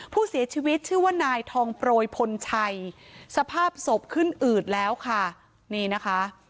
ผู้เสียชีวิตชื่อว่านายทองโปรยพลชัยสภาพศพขึ้นอืดแล้วค่ะนี่นะคะ